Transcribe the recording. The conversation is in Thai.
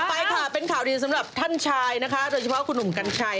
ต่อไปครับเป็นข่าวดีสำหรับท่านชายโดยเฉพาะคุณหนุ่มกันกชัย